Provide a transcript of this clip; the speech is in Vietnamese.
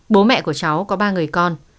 bố mẹ của cháu có ba người con